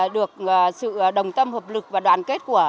được sự đồng tâm hợp lực và đoàn kết của